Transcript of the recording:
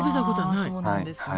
あそうなんですね。